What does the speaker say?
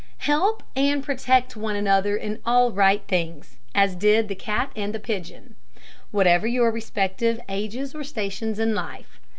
Help and protect one another in all right things, as did the cat and the pigeon, whatever your respective ages or stations in life.